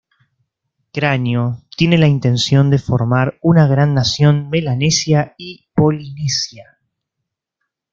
Cráneo tiene la intención de formar una gran nación Melanesia y Polinesia.